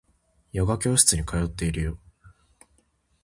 ヨガ教室に通っているよ